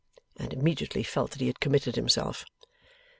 And immediately felt that he had committed himself.